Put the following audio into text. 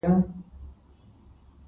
وضاحت د پرېکړې وړتیا ډېروي.